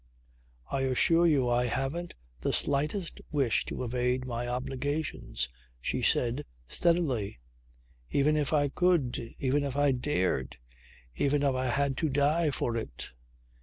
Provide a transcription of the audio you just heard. "I assure you I haven't the slightest wish to evade my obligations," she said steadily. "Even if I could. Even if I dared, even if I had to die for it!"